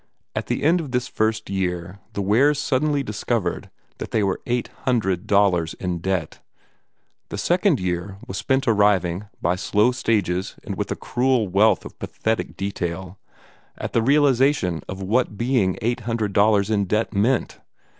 At the end of this first year the Wares suddenly discovered that they were eight hundred dollars in debt. The second year was spent in arriving, by slow stages and with a cruel wealth of pathetic detail, at a realization of what being eight hundred dollars in debt meant.